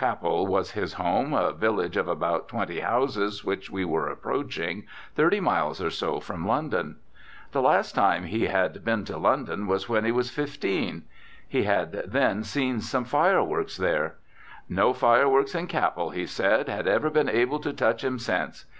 Capel was his home, a village of about twenty houses which we were approaching, thirty miles or so from London. The last time he been to London was when he was fifteen. He had then seen some fireworks there. No fireworks in Capel, he said, had ever been able to touch him since.